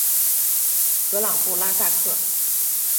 格朗布拉萨克。